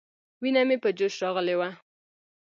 وينه مې په جوش راغلې وه.